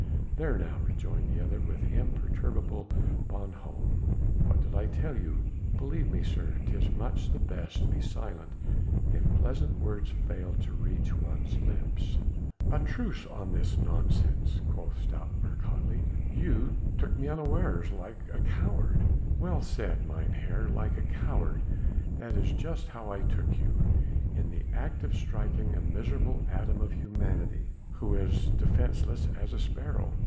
"There now," rejoined the other with imperturbable bonhomie, "what did I tell you? Believe me, sir, 'tis much the best to be silent if pleasant words fail to reach one's lips." "A truce on this nonsense," quoth Stoutenburg hotly, "you took me unawares like a coward...." "Well said, mynheer! Like a coward that is just how I took you in the act of striking a miserable atom of humanity who is as defenceless as a sparrow."